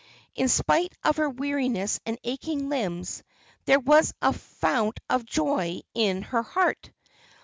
In spite of her weariness and aching limbs, there was a fount of joy in her heart.